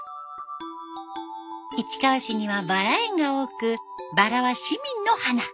市川市にはバラ園が多くバラは市民の花。